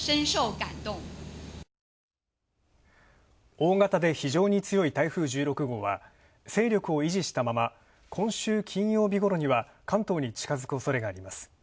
大型で非常に強い台風１６号は勢力を維持したまま、今週金曜日ごろには関東に近づくおそれがあります。